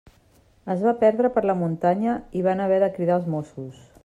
Es va perdre per la muntanya i van haver de cridar els Mossos.